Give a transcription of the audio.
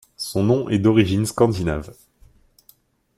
Son nom est d'origine scandinave.